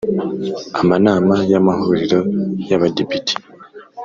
amanama y Amahuriro y Abadepite